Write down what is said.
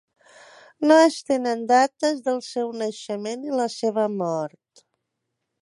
No es tenen dates del seu naixement i la seva mort.